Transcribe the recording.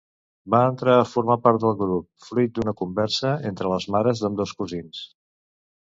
Va entrar a formar part del grup fruit d'una conversa entre les mares d'ambdós cosins.